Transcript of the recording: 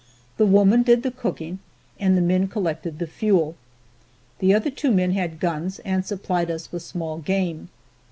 The woman did the cooking and the men collected the fuel. The other two men had guns and supplied us with small game.